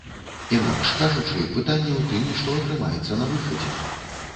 Інакш кажучы, пытанне ў тым, што атрымаецца на выхадзе.